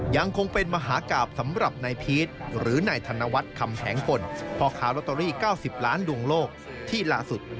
ยังคงเป็นมหากราบสำหรับในพีทหรือในธนวัฒน์คำแผงฝนพอขาลอตเตอรี่เก้าสิบล้านดวงโลกที่ล่าสุด